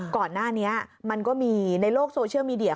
ก่อนหน้านี้มันก็มีในโลกโซเชียลมีเดีย